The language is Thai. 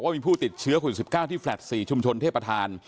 ว่ามีผู้ติดเชื้อคุณสิบเก้าที่แฟลต์๔ชุมชนเทพฐาน